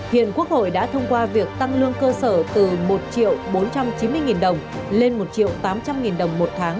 hiện quốc hội đã thông qua việc tăng lương cơ sở từ một triệu bốn trăm chín mươi đồng lên một triệu tám trăm linh đồng một tháng